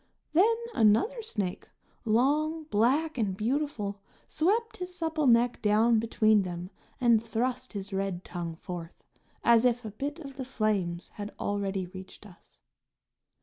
Then another snake, long, black and beautiful, swept his supple neck down between them and thrust his red tongue forth as if a bit of the flames had already reached us.